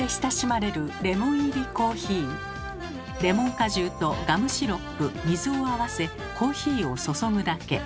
レモン果汁とガムシロップ水を合わせコーヒーを注ぐだけ。